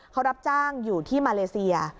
เขารับจ้างอยู่ที่มาเลเซีย